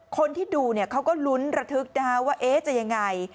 คนที่ดูเนี่ยเขาก็ลุ้นระทึกดาวว่าเอ๊ะจะยังไง